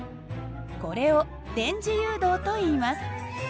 これを電磁誘導といいます。